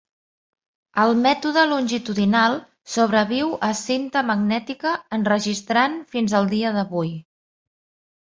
El mètode longitudinal sobreviu a cinta magnètica enregistrant fins al dia d'avui.